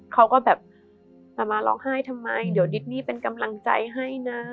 เขาก็แบบจะมาร้องไห้ทำไมเดี๋ยวดิดนี่เป็นกำลังใจให้นะ